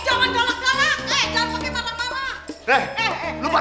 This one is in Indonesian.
eh jangan pake marah marah